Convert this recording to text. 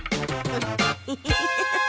フッフフフ。